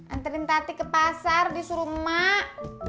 anterin tati ke pasar disuruh emak